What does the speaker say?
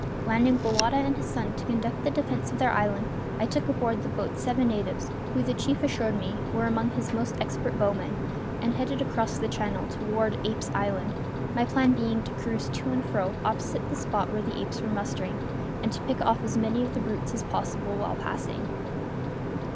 Landing Bowata and his son to conduct the defence of their island, I took aboard the boat seven natives, who, the chief assured me, were among his most expert bowmen, and headed across the channel toward Apes' Island, my plan being to cruise to and fro opposite the spot where the apes were mustering, and to pick off as many of the brutes as possible while passing.